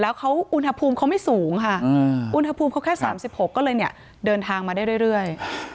แล้วอุณหภูมิเขาไม่สูงค่ะอุณหภูมิเขาแค่๓๖ก็เลยเนี่ยเดินทางมาได้เรื่อย